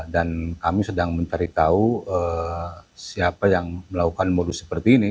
dan kami sedang mencari tahu siapa yang melakukan modus seperti ini